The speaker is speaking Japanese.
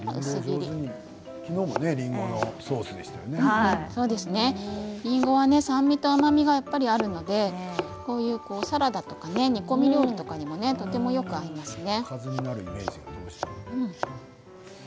りんごは酸味と甘みがやっぱりあるのでサラダとか煮込み料理とかにもとてもよく合いますね。